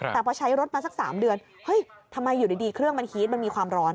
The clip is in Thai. แต่พอใช้รถมาสัก๓เดือนเฮ้ยทำไมอยู่ดีเครื่องมันฮีตมันมีความร้อน